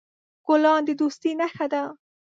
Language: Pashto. ګلان د دوستۍ نښه ده.